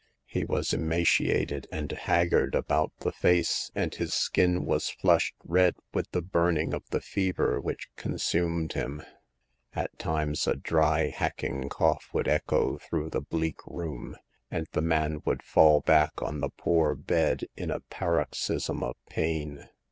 He was emaciated and haggard about the face, and his skin was flushed red with the burning of the fever which con sumed him. At times a dry hacking cough would echo through the bleak room, and the man would fall back on the poor bed in a paroxysm of pain.